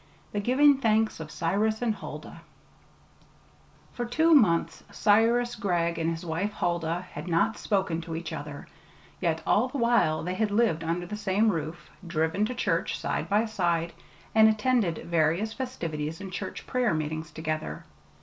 The Giving Thanks of Cyrus and Huldah For two months Cyrus Gregg and his wife Huldah had not spoken to each other, yet all the while they had lived under the same roof, driven to church side by side, and attended various festivities and church prayer meetings together.